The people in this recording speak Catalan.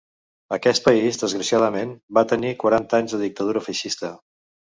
Aquest país, desgraciadament, va tenir quaranta anys de dictadura feixista.